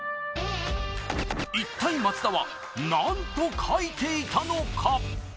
一体、松田は何と書いていたのか？